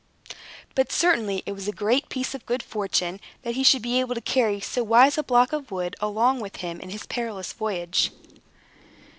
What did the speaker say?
But certainly it was a great piece of good fortune that he should be able to carry so wise a block of wood along with him in his perilous voyage.